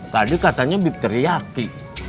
tadi katanya bib teriyaki